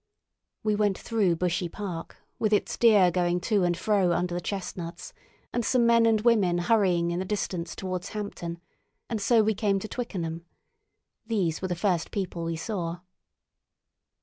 We went through Bushey Park, with its deer going to and fro under the chestnuts, and some men and women hurrying in the distance towards Hampton, and so we came to Twickenham. These were the first people we saw.